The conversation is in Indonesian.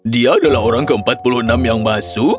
dia adalah orang keempat puluh enam yang masuk